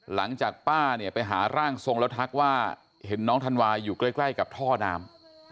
หลังจากป้าเนี่ยไปหาร่างทรงแล้วทักว่าเห็นน้องธันวาอยู่ใกล้กับท่อน้ำ